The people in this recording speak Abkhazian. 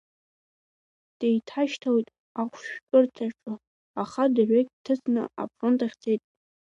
Деиҭашьҭалеит ахәшәтәырҭаҿы, аха дырҩагь дҭыҵны афронт ахь дцеит.